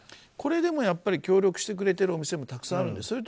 これでも協力してくれてるお店もたくさんあるんです。